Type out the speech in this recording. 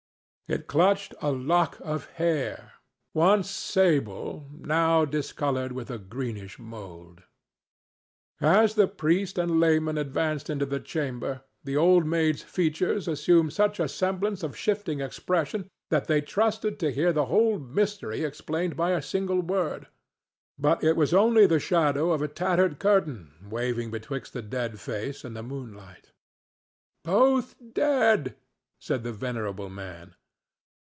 It clutched a lock of hair—once sable, now discolored with a greenish mould. As the priest and layman advanced into the chamber the Old Maid's features assumed such a semblance of shifting expression that they trusted to hear the whole mystery explained by a single word. But it was only the shadow of a tattered curtain waving betwixt the dead face and the moonlight. "Both dead!" said the venerable man.